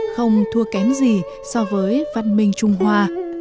không thua kém gì so với văn minh trung hoa